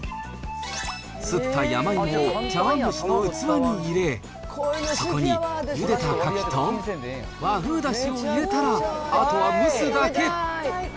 すった山芋を茶わん蒸しの器に入れ、そこにゆでたカキと、和風だしを入れたら、あとは蒸すだけ。